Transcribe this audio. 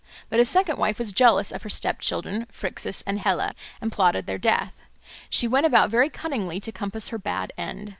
But his second wife was jealous of her stepchildren, Phrixus and Helle, and plotted their death. She went about very cunningly to compass her bad end.